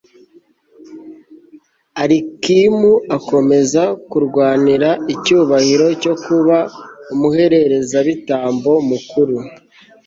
alikimu akomeza kurwanira icyubahiro cyo kuba umuherezabitambo mukuru